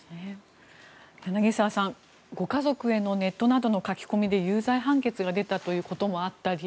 柳澤さん、ご家族へのネットなどの書き込みで有罪判決が出たということもあったり